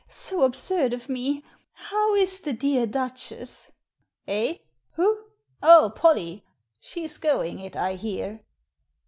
So absurd of me. How is the dear Duchess? " "Eh? Who? Oh, Polly! She's going it, I hear."